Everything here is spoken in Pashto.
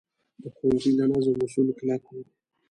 د ښوونځي د نظم اصول کلک وو.